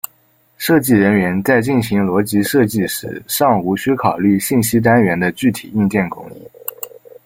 设计人员在进行逻辑设计时尚无需考虑信息单元的具体硬件工艺。